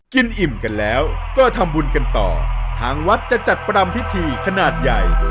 อิ่มกันแล้วก็ทำบุญกันต่อทางวัดจะจัดปรำพิธีขนาดใหญ่